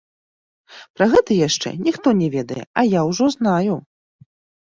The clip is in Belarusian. Пра гэта яшчэ ніхто не ведае, а я ўжо знаю.